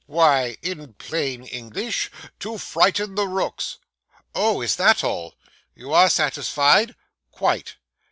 'Why, in plain English, to frighten the rooks.' 'Oh, is that all?' 'You are satisfied?' 'Quite.